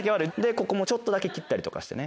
ここもちょっとだけ切ったりとかしてね。